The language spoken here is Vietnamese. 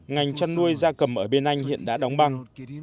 ngành chăn nuôi da cầm ở bên anh hiện đã đóng băng